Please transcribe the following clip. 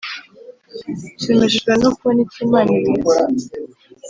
nshimishijwe no kubona icyo imana ibitse.